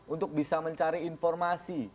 untuk bisa mencari informasi